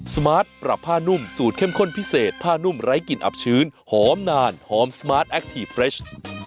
สมาร์ทปรับผ้านุ่มสูตรเข้มข้นพิเศษผ้านุ่มไร้กลิ่นอับชื้นหอมนานหอมสมาร์ทแอคทีฟเฟรช